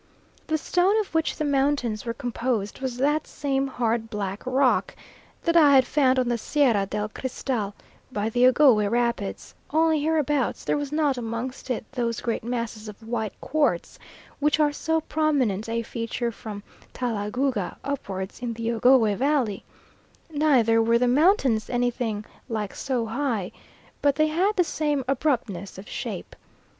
The stone of which the mountains were composed was that same hard black rock that I had found on the Sierra del Cristal, by the Ogowe rapids; only hereabouts there was not amongst it those great masses of white quartz, which are so prominent a feature from Talagouga upwards in the Ogowe valley; neither were the mountains anything like so high, but they had the same abruptness of shape.